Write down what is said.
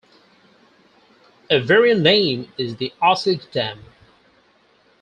A variant name is the "Osage Dam".